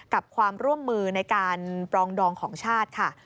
กับความร่วมมือในการปรองดองของชาติค่ะ